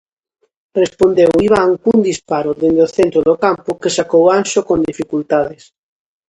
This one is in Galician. Respondeu Iván cun disparo dende o centro do campo que sacou Anxo con dificultades.